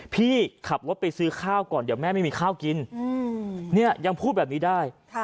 พี่ขับรถไปซื้อข้าวก่อนเดี๋ยวแม่ไม่มีข้าวกินเนี่ยยังพูดแบบนี้ได้